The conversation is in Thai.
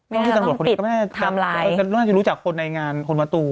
ไม่น่าจะต้องปิดทำลายไม่น่าจะรู้จักคนในงานคนมตู